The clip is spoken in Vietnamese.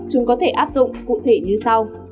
chúng có thể áp dụng cụ thể như sau